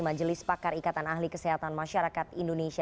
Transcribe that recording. majelis pakar ikatan ahli kesehatan masyarakat indonesia